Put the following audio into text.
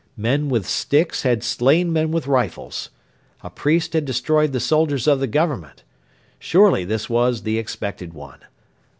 Men with sticks had slain men with rifles. A priest had destroyed the soldiers of the Government. Surely this was the Expected One.